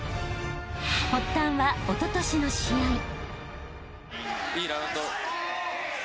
［発端はおととしの試合］